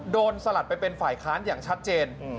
สลัดไปเป็นฝ่ายค้านอย่างชัดเจน